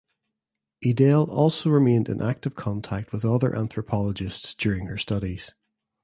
Edel also remained in active contact with other anthropologists during her studies.